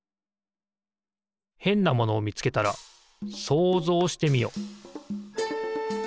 へんなものをみつけたら想像してみよ。